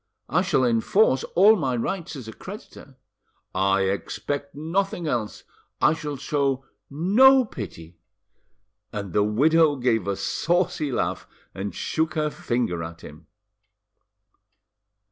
"I shall enforce all my rights as a creditor." "I expect nothing else." "I shall show no pity." And the widow gave a saucy laugh and shook her finger at him.